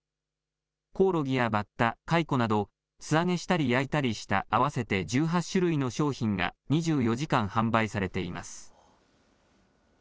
コオロギやバッタ、カイコなど、素揚げしたり焼いたりした合わせて１８種類の商品が、２４時間販売されています。